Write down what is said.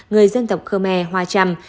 người dân tộc khmer hoa trầm